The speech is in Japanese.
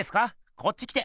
こっち来て！